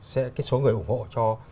cái số người ủng hộ cho